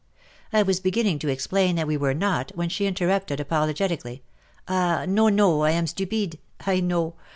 •*" I was beginning to explain that we were not, when she interrupted apologetically. "Ah! no — no — How I am stupide !/ know!